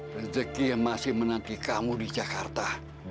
rezeki yang masih menanti kamu di jakarta